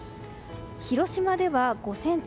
広島では５ｃｍ